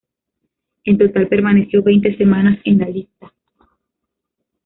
En total permaneció veinte semanas en la lista.